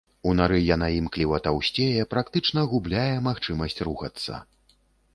У нары яна імкліва таўсцее, практычна губляе магчымасць рухацца.